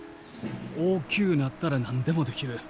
大きゅうなったら何でもできる。